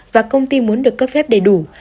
và công ty muốn được cấp phép đầy đủ